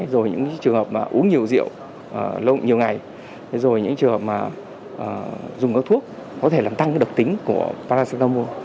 rồi những trường hợp mà uống nhiều rượu lông nhiều ngày rồi những trường hợp mà dùng các thuốc có thể làm tăng độc tính của paracetamo